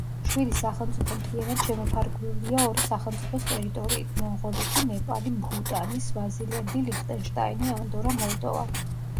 შვიდი სახელმწიფო მთლიანად შემოფარგლულია ორი სახელმწიფოს ტერიტორიით: მონღოლეთი, ნეპალი, ბჰუტანი, სვაზილენდი, ლიხტენშტაინი, ანდორა, მოლდოვა.